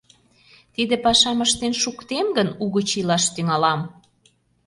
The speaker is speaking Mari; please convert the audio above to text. Тиде пашам ыштен шуктем гын, угыч илаш тӱҥалам.